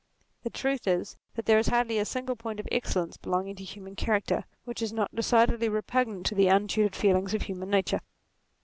The truth is that there is hardly a single point of excel lence belonging to human character, which is not decidedly repugnant to the untutored feelings of human nature.